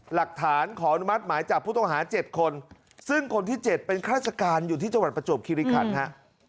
หลักฐานขออนุมัติหมายจับผู้ต้องหา๗คนซึ่งคนที่๗เป็นข้าราชการอยู่ที่จังหวัดประจวบคิริขันฮะ